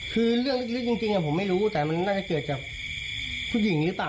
คือเรื่องลึกจริงผมไม่รู้แต่มันน่าจะเกิดจากผู้หญิงหรือเปล่า